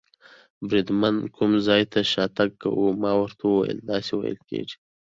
بریدمنه، کوم ځای ته شاتګ کوو؟ ما ورته وویل: داسې وېل کېږي.